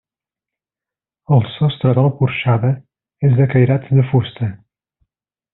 El sostre de la porxada és de cairats de fusta.